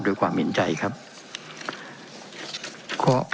เป็นของสมาชิกสภาพภูมิแทนรัฐรนดร